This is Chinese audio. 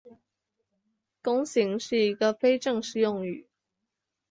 弓形是一个非正式用语。